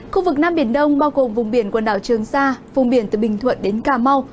khu vực nam biển đông bao gồm vùng biển quần đảo trường sa vùng biển từ bình thuận đến cà mau